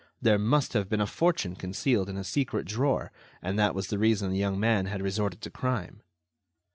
There must have been a fortune concealed in a secret drawer, and that was the reason the young man had resorted to crime.